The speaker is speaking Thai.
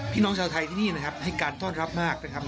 พี่น้องชาวไทยที่นี่นะครับให้การต้อนรับมากนะครับ